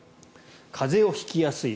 風邪を引きやすい。